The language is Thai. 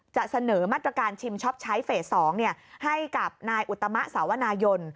จะเสนอมาตรการชิมช็อปใช้เฟส๒ให้กับนายอุตมะสาวนายน